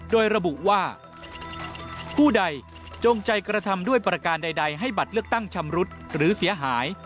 โดยระบุว่าผู้ใดจงใจกระทำด้วยประการใดให้บัตรเลือกตั้งชำรุดหรือเสียหาย